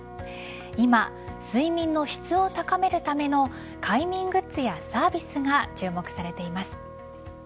今、睡眠の質を高めるための快眠グッズやサービスが注目されています。